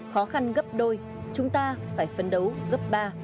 khó khăn gấp đôi chúng ta phải phấn đấu gấp ba